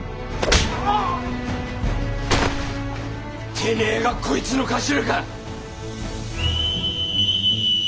てめえがこいつの頭か？